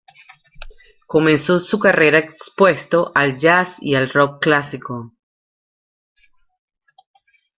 Comenzó su carrera expuesto al Jazz y al Rock clásico.